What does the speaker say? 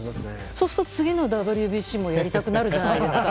そうすると次のＷＢＣもやりたくなるじゃないですか。